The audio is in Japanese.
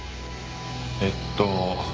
えっと。